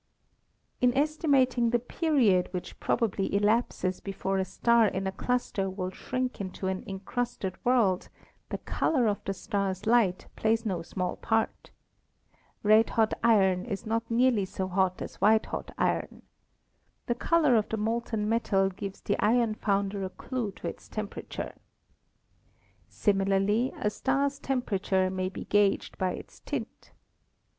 In estimating the period which probably elapses before a star in a cluster will shrink into an incrusted world the color of the star's light plays no small part. Red hot iron is not nearly so hot as white hot iron. The color of the molten metal gives the iron founder a clue to its tern 320 ASTRONOMY perature. Similarly a star's temperature may be gaged by its tint.